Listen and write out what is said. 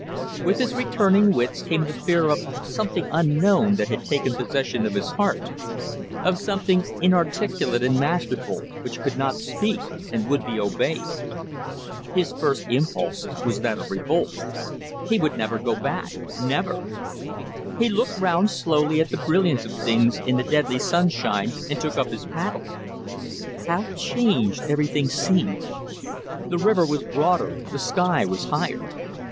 With his returning wits came the fear of something unknown that had taken possession of his heart, of something inarticulate and masterful which could not speak and would be obeyed. His first impulse was that of revolt. He would never go back there. Never! He looked round slowly at the brilliance of things in the deadly sunshine and took up his paddle! How changed everything seemed! The river was broader, the sky was higher.